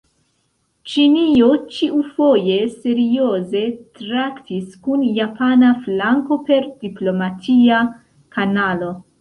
Ĉinio ĉiufoje serioze traktis kun japana flanko per diplomatia kanalo.